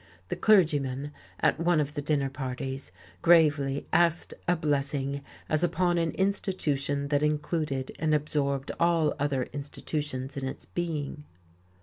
The clergyman, at one of the dinner parties, gravely asked a blessing as upon an Institution that included and absorbed all other institutions in its being....